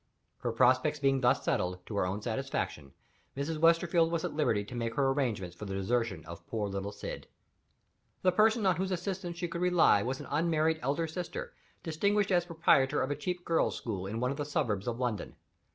Her prospects being thus settled, to her own satisfaction, Mrs. Westerfield was at liberty to make her arrangements for the desertion of poor little Syd. The person on whose assistance she could rely was an unmarried elder sister, distinguished as proprietor of a cheap girls' school in one of the suburbs of London.